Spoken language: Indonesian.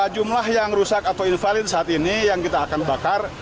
jumlah yang rusak atau invalid saat ini yang kita akan bakar